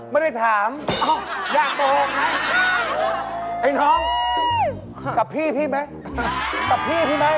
ไม่ได้ถามอยากโปรโภคไหมไอ้น้องกับพี่ไหมไอ้น้อง